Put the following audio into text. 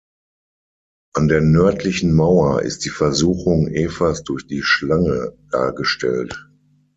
An der nördlichen Mauer ist die Versuchung Evas durch die Schlange dargestellt.